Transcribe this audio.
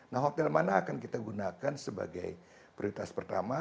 nah hotel mana akan kita gunakan sebagai prioritas pertama